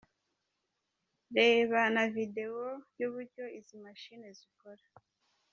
Reba na Video y’uburyo izi mashine zikora:.